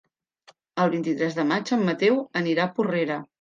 El vint-i-tres de maig en Mateu anirà a Porrera.